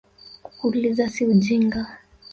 Kuuliza si ujinga